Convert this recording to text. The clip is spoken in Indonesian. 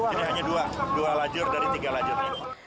ini hanya dua dua lajur dari tiga lajurnya